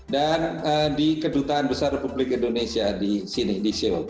dan di duta besar republik indonesia di sini di seoul